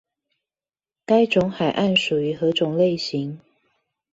該種海岸屬於何種類型？